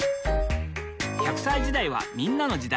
磽隠娃歳時代はみんなの時代。